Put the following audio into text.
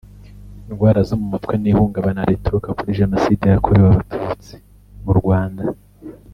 indwara zo mu mutwe n’ihungabana rituruka kuri Jenoside yakorewe abatutsi mu Rwanda